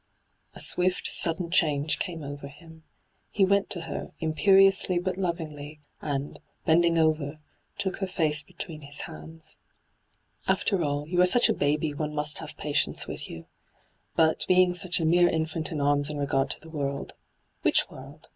A swifb, sudden chaise came over him. He went to her, imperiously but lovingly, and, bending over, took her face between his hands. ' After all, you are such a baby one must have patience with yoo. But, being such a hyGoo>^lc 154 ENTRAPPED mere infant in arms in regard to the world (Which world